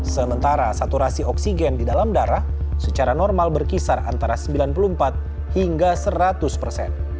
sementara saturasi oksigen di dalam darah secara normal berkisar antara sembilan puluh empat hingga seratus persen